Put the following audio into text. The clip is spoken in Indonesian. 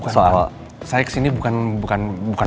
saya kesini bukan